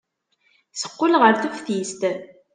Teqqel ɣer teftist.